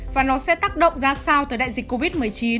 và nó sẽ tác động ra sao từ đại dịch covid một mươi chín